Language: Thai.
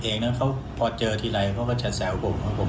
เออแต่ดูดีคล้ายไหม